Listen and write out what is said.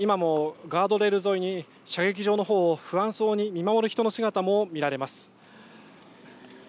今もガードレール沿いに射撃場の方を不安そうに見守る人の姿も見られます。